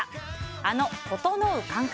あのととのう感覚